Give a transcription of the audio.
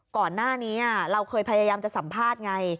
ก่อนหน้านี้เราเคยพยายามจะสัมภาษณ์ไง